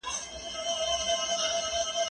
زه پرون کالي وچوم وم